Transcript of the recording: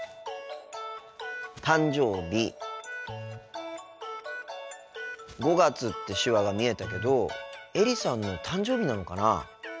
「誕生日」「５月」って手話が見えたけどエリさんの誕生日なのかな？